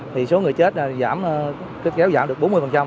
thì số người chết kéo giảm được bốn mươi